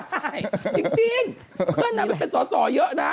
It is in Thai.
จริงเพื่อนหนุ่มเป็นสอสอเยอะนะ